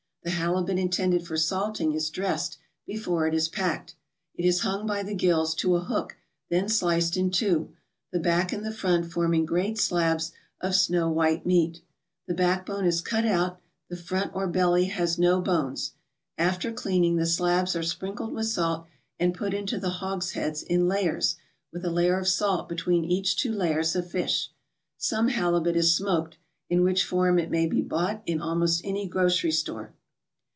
The halibut intended for salting is dressed before it is packed. It is hung by the gills to a hook then sliced in two, the back and the front forming great slabs of snow white meat. The backbone is cut out; the front, or belly, has no bones. After cleaning, the slabs are sprinkled with salt and put into the hogsheads in layers with a layer of salt between each two layers of fish. Some halibut is smoked, in which form it may be bought in almost any grocery store.